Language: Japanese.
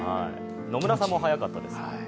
野村さんも早かったです。